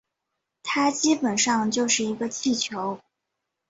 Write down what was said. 它基本上就是一个气球